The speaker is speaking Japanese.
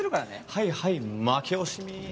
はいはい負け惜しみ